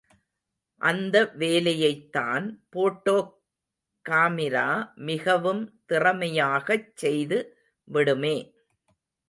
அந்த வேலையைத்தான் போட்டோக் காமிரா மிகவும் திறமையாகச் செய்து விடுமே.